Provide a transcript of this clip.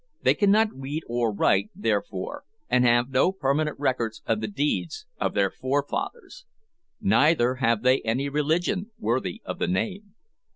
They cannot read or write therefore, and have no permanent records of the deeds of their forefathers. Neither have they any religion worthy of the name.